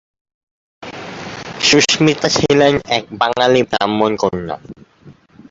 সুস্মিতা ছিলেন এক বাঙালি ব্রাহ্মণ কন্যা।